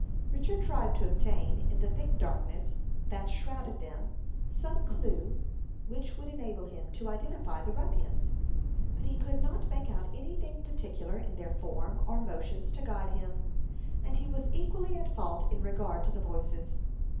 Richard tried to obtain, in the thick darkness that shrouded them, some clew which would enable him to identify the ruffians; but he could not make out any thing peculiar in their form or motions to guide him, and he was equally at fault in regard to the voices.